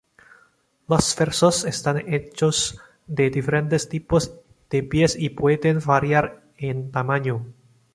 Los versos están hechos de diferentes tipos de pies y pueden variar en tamaño.